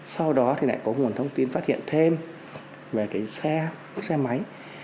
sau đó thì lại có nguồn thông tin phát hiện thêm về cái xe máy